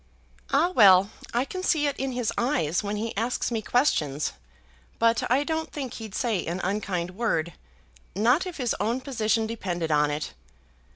"Ah, well; I can see it in his eyes when he asks me questions; but I don't think he'd say an unkind word, not if his own position depended on it.